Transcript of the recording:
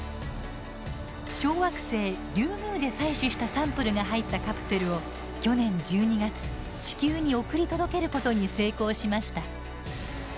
小惑星リュウグウで採取したサンプルが入ったカプセルを去年１２月、地球に送り届けることに成功しました。